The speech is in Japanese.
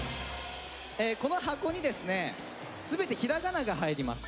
この箱にですね全てひらがなが入ります。